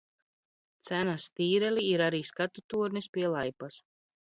Cenas tīrelī ir arī skatu tornis pie laipas.